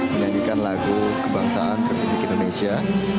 menyanyikan lagu kebangsaan republik indonesia